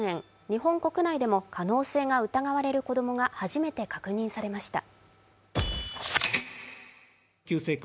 日本国内でも可能性が疑われる子供が初めて確認されました。